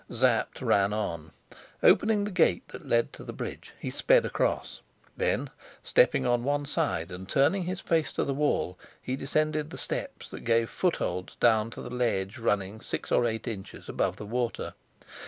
Sapt ran on. Opening the gate that led to the bridge, he sped across. Then, stepping on one side and turning his face to the wall, he descended the steps that gave foothold down to the ledge running six or eight inches above the water.